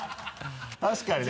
確かにね。